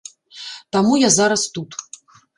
Таму я зараз тут.